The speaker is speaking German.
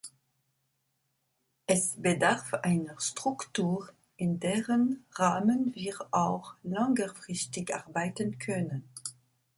Es bedarf einer Struktur, in deren Rahmen wir auch längerfristig arbeiten können.